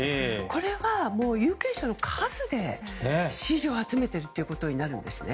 これは、有権者の数で支持を集めていることになるんですね。